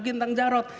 bukan tentang jarod